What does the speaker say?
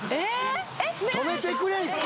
止めてくれ１回！